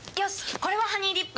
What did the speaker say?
これはハニーディップ。